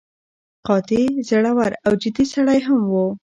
قاطع، زړور او جدي سړی هم و.